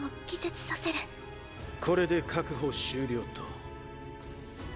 これで確保終了と。